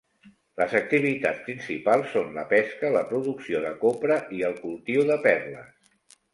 Les activitats principals són la pesca, la producció de copra i el cultiu de perles.